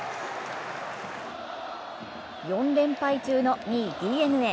４連敗中の２位、ＤｅＮＡ。